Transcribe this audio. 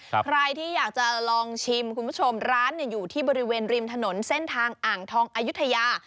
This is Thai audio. ใครที่อยากจะลองชิมคุณผู้ชมร้านอยู่ที่บริเวณริมถนนเส้นทางอ่างทองอายุทยา